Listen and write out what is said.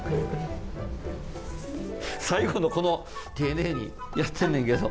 最後のこの丁寧にやってんねんけど。